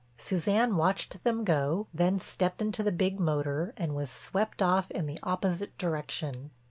Suzanne watched them go, then stepped into the big motor and was swept off in the opposite direction.